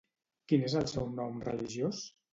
Quin és el seu nom religiós?